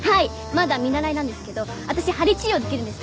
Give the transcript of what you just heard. まだ見習いなんですけど私はり治療できるんです